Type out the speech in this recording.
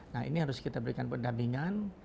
nah ini harus kita berikan pendampingan